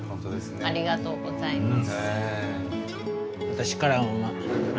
ありがとうございます。